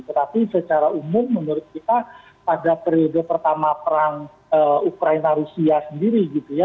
tetapi secara umum menurut kita pada periode pertama perang ukraina rusia sendiri gitu ya